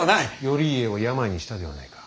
頼家を病にしたではないか。